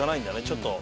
ちょっと。